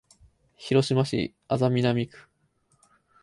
広島市安佐南区